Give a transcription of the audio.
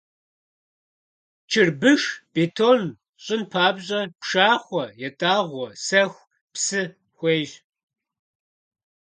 Чырбыш, бетон щӀын папщӀэ пшахъуэ, ятӀагъуэ, сэху, псы хуейщ.